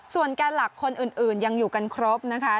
ส่วนแก่หลักคนอื่นยังอยู่กันครบนะคะ